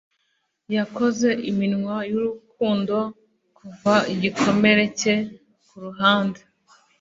Yakoze iminwa y'urukundo kuva igikomere cye kuruhande